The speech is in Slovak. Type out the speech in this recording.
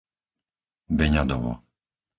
Beňadovo